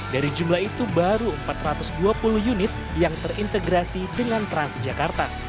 dari jumlah itu baru empat ratus dua puluh unit yang terintegrasi dengan transjakarta